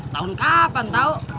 tahun kapan tau